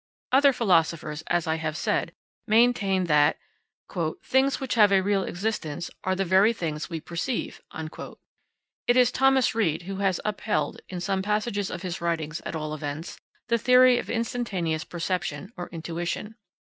Other philosophers, as I have said, maintain that "things which have a real existence are the very things we perceive." It is Thomas Reid who has upheld, in some passages of his writings at all events, the theory of instantaneous perception, or intuition.